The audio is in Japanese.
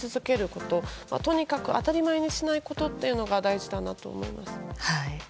とにかく当たり前にしないことが大事だなと思いましたね。